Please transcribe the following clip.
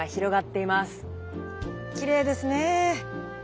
きれいですね。